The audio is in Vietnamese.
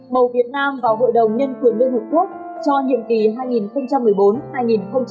mầu việt nam vào hội đồng nhân quyền liên hợp quốc cho nhiệm kỳ hai nghìn một mươi bốn hai nghìn một mươi sáu